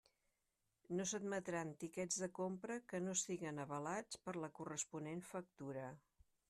No s'admetran tiquets de compra que no estiguen avalats per la corresponent factura.